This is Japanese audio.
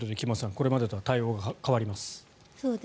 これまでとは対応が変わります。